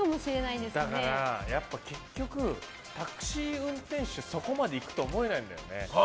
だから結局、タクシー運転手そこまでいくとは思えないんだよね。